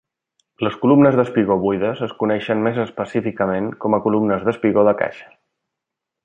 Les columnes espigó buides es coneixen més específicament com a columnes espigó de caixa.